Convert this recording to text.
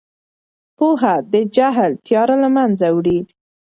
پوهه د جهل تیاره له منځه وړي.